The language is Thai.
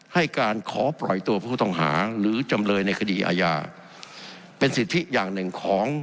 ให้การขอปล่อยตัวผู้ต้องหาหรือจำเลยในคดีอาญาเป็นสิทธิอย่างหนึ่งของ